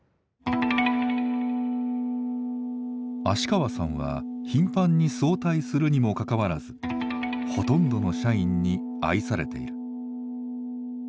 芦川さんは頻繁に早退するにもかかわらずほとんどの社員に愛されている。